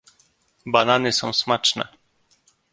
"Banany są smaczne."